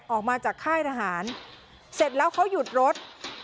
ออกมาจากค่ายทหารเสร็จแล้วเขาหยุดรถ